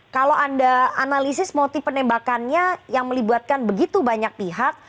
kalau anda analisis motif penembakannya yang melibatkan begitu banyak pihak